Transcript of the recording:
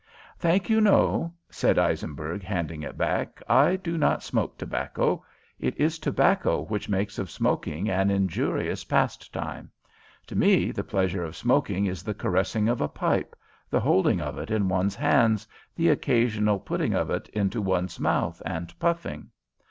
"Thank you, no," said Eisenberg, handing it back, "I do not smoke tobacco. It is tobacco which makes of smoking an injurious pastime. To me the pleasure of smoking is the caressing of a pipe, the holding of it in one's hands, the occasional putting of it into one's mouth and puffing.